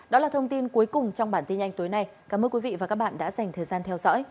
đó là thông tin cuối cùng trong bản tin nhanh tối nay cảm ơn quý vị và các bạn đã dành thời gian theo dõi